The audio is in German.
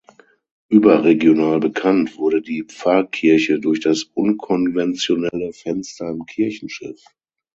Überregional bekannt wurde die Pfarrkirche durch das unkonventionelle Fenster im Kirchenschiff.